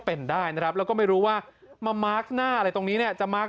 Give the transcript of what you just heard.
เป็นได้นะครับแล้วก็ไม่รู้ว่ามามาร์คหน้าอะไรตรงนี้เนี่ยจะมาร์ค